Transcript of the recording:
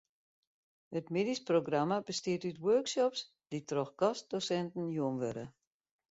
It middeisprogramma bestiet út workshops dy't troch gastdosinten jûn wurde.